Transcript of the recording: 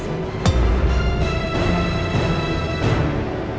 masih aja ngambilin ibu